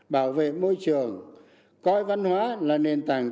bảo vệ môi trường coi văn hóa là nền tảng